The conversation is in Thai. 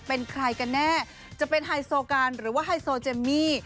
เป็นใครกันแน่จะเป็นไฮโซกันหรือว่าไฮโซเจมมี่